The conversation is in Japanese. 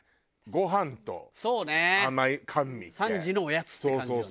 ３時のおやつって感じだよね。